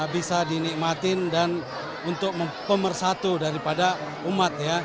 bisa dinikmatin dan untuk mempersatu daripada umat